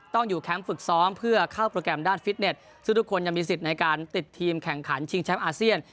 ต้องอยู่แคมป์ฝึกซ้อมเพื่อเข้าโปรแกรมด้านฟิตเน็ตซึ่งทุกคนยังมีสิทธิ์ในการติดทีมแข่งขันชิงแชมป์อาเซียน